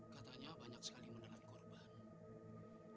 katanya banyak sekali menelan korban